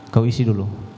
kau isi dulu